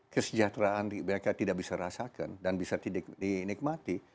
kesejahteraan mereka tidak bisa rasakan dan bisa dinikmati